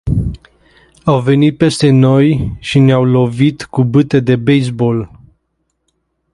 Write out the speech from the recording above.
Au venit peste noi și ne-au lovit cu bâte de baseball.